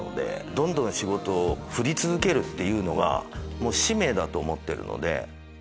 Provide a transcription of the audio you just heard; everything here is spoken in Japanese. どんどん仕事を振り続けるっていうのが使命だと思ってるので。